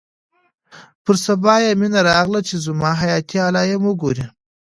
پر سبا يې مينه راغله چې زما حياتي علايم وګوري.